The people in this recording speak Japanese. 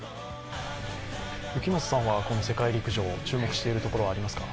行正さんはこの世界陸上、注目しているところはありますか？